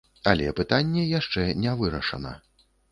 Але пытанне яшчэ не вырашана.